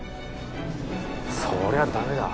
そりゃ駄目だ。